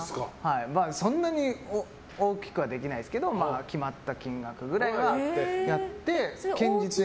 そんなに大きくはできないですけど決まった金額ぐらいはやって堅実に。